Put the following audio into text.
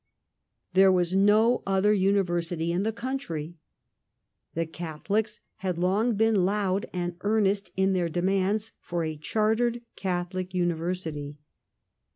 There was no other univer sity in the country. The Catholics had long been loud and earnest in their demands for a chartered Catholic university.